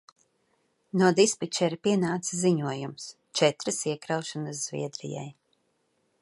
No dispečera pienāca ziņojums: četras iekraušanas Zviedrijai.